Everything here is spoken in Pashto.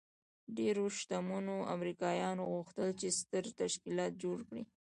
ډېرو شتمنو امریکایانو غوښتل چې ستر تشکیلات جوړ کړي